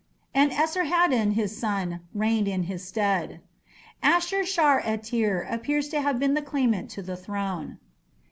And Esarhaddon his son reigned in his stead." Ashur shar etir appears to have been the claimant to the throne.